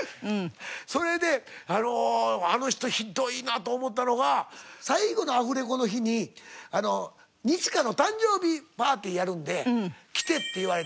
それであの人ひどいなと思ったのが最後のアフレコの日に二千翔の誕生日パーティーやるんで来てって言われて。